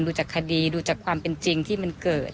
ดูจากคดีดูจากความเป็นจริงที่มันเกิด